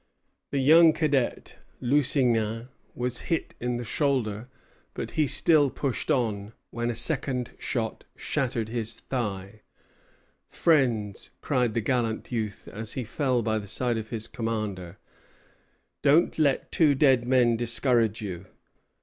The young cadet, Lusignan, was hit in the shoulder; but he still pushed on, when a second shot shattered his thigh. "Friends," cried the gallant youth, as he fell by the side of his commander, "don't let two dead men discourage you."